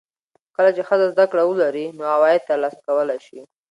کله چې ښځه زده کړه ولري، نو عواید ترلاسه کولی شي.